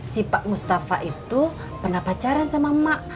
si pak mustafa itu pernah pacaran sama mak